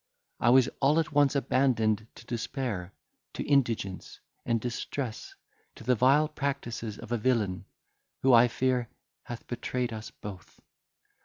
I was all at once abandoned to despair, to indigence, and distress, to the vile practices of a villain, who, I fear, hath betrayed us both.